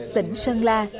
tỉnh sơn la